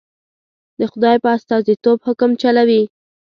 د خدای په استازیتوب حکم چلوي.